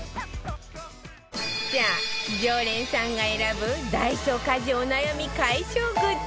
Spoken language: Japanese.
さあ常連さんが選ぶダイソー家事お悩み解消グッズ